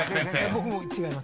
僕も違います。